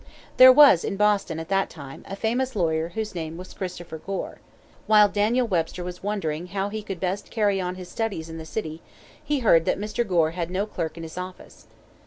There was in Boston, at that time, a famous lawyer whose name was Christopher Gore. While Daniel Webster was wondering how he could best carry on his studies in the city, he heard that Mr. Gore had no clerk in his office.